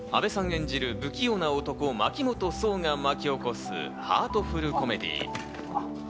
演じる不器用な男・牧本壮が巻き起こすハートフルコメディー。